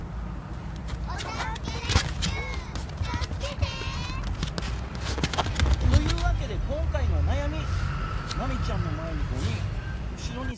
お助けレスキュー助けて！というわけでこんかいのおなやみ！